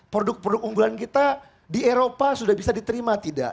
produk produk unggulan kita di eropa sudah bisa diterima tidak